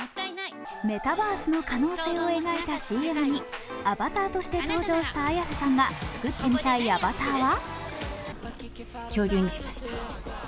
メタバースの可能性を描いたＣＭにアバターとして登場した綾瀬さんが作ってみたいアバターは？